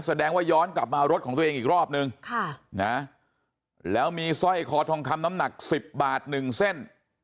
แสดงว่าย้อนกลับมารถของตัวเองอีกรอบนึงแล้วมีสร้อยคอทองคำน้ำหนัก๑๐บาท๑เส้น